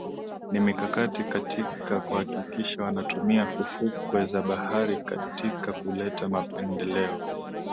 Ni mikakati katika kuhakikisha wanatumia fukwe za bahari katika kuleta maendeleo